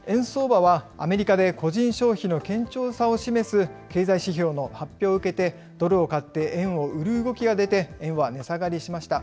円相場はアメリカで個人消費の堅調さを示す経済指標の発表を受けて、ドルを買って円を売る動きが出て円は値下がりしました。